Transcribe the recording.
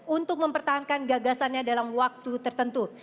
untuk mempertahankan gagasannya dalam waktu tertentu